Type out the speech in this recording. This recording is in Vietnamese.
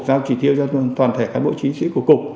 giao chỉ tiêu cho toàn thể cán bộ chiến sĩ của cục